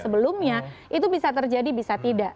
sebelumnya itu bisa terjadi bisa tidak